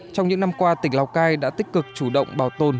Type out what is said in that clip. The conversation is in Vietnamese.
trong những năm qua tỉnh lào cai đã tích cực chủ động bảo tồn